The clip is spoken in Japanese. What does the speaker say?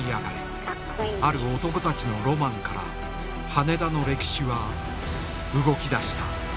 ある男たちのロマンから羽田の歴史は動きだした。